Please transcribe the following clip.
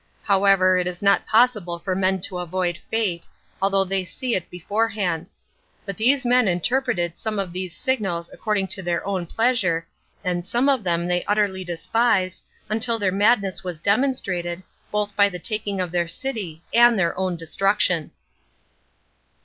However, it is not possible for men to avoid fate, although they see it beforehand. But these men interpreted some of these signals according to their own pleasure, and some of them they utterly despised, until their madness was demonstrated, both by the taking of their city and their own destruction.